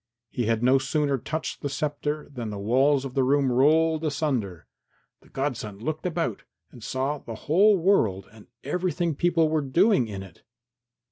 He had no sooner touched the sceptre than the walls of the room rolled asunder. The godson looked about and saw the whole world and everything people were doing in it.